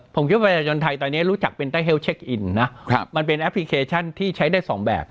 ผมคิดว่าประชาชนไทยตอนนี้รู้จักเป็นไตเฮลเช็คอินนะมันเป็นแอปพลิเคชันที่ใช้ได้สองแบบ